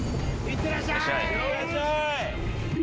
いってらっしゃい！